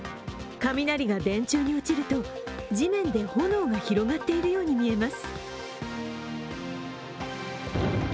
雷が電柱に落ちると、地面で炎が広がっているように見えます。